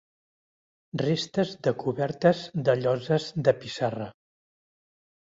Restes de cobertes de lloses de pissarra.